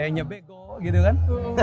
saya nyebego gitu kan